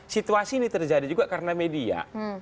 situasi ini terjadi juga karena media